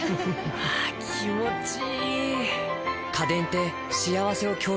あ気持ちいい！